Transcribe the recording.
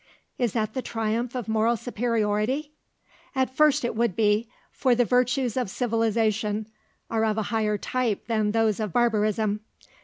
"Is that the triumph of moral superiority?" "At first it would be, for the virtues of civilisation are of a higher type than those of barbarism.